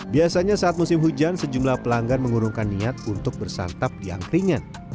biasanya saat musim hujan sejumlah pelanggan mengurungkan niat untuk bersantap di angkringan